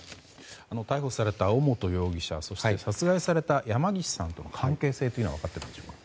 逮捕された尾本容疑者そして、殺害された山岸さんとの関係性は分かっているんでしょうか。